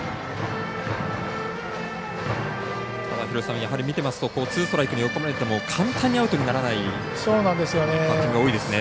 やはり見てますとツーストライクに追い込まれても簡単にアウトにならないバッティングが多いですね。